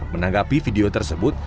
menanggapi video tersebut